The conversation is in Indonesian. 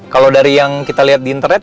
kalau dari yang kita lihat di internet